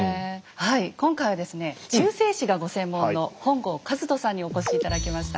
今回はですね中世史がご専門の本郷和人さんにお越し頂きました。